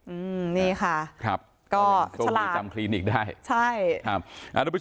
อืมนี่ค่ะครับก็ฉลาดจำคลีนิกได้ใช่ครับอันดับ